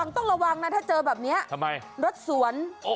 ต้องระวังนะถ้าเจอแบบนี้ทำไมรถสวน